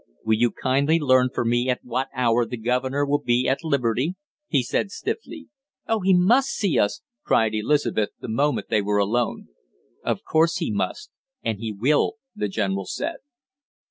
"Will you kindly learn for me at what hour the governor will be at liberty?" he said stiffly. "Oh, he must see us!" cried Elizabeth, the moment they were alone. "Of course he must, and he will," the general said.